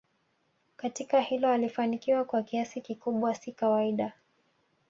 katika hilo alifanikiwa kwa kiasi kikubwa si kawaida